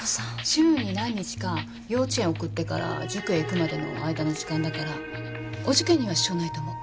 週に何日か幼稚園送ってから塾へ行くまでの間の時間だからお受験には支障ないと思う。